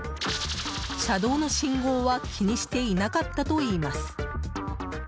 車道の信号は気にしていなかったといいます。